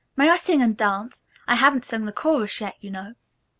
May I sing and dance? I haven't sung the chorus yet, you know."